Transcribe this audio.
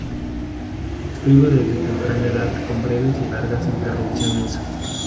Escribo desde temprana edad, con breves y largas interrupciones.